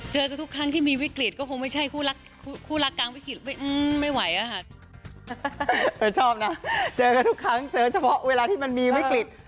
เจอก็ทุกครั้งเจอเฉพาะเวลาที่มันมีวิกฤต